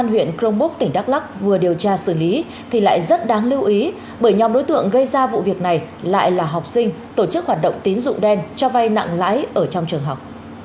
công an huyện crongbok tỉnh đắk lắc vừa điều tra xử lý thì lại rất đáng lưu ý bởi nhóm đối tượng gây ra vụ việc này lại là học sinh tổ chức hoạt động tín dụng đen cho vay nặng lãi ở trong trường học